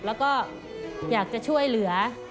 แล้วก็อยากจะช่วยเหลือ